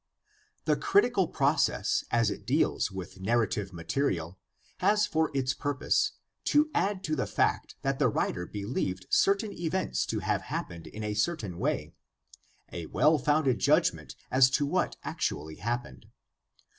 The critical process as it deals with narrative material has for its purpose to add to the fact that the writer believed certain events to have happened in a certain way, a well founded judgment as to what actually happened.